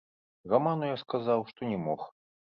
Раману я сказаў, што не мог.